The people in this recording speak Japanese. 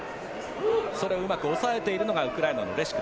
それをうまく押さえているのがウクライナのレシュク。